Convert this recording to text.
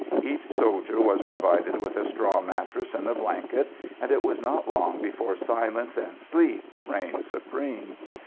Each soldier was provided with a straw mattress and a blanket, and it was not long before silence and sleep reigned supreme.